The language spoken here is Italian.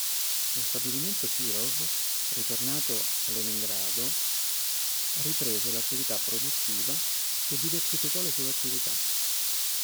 Lo stabilimento Kirov, ritornato a Leningrado, riprese l'attività produttiva e diversificò le sue attività.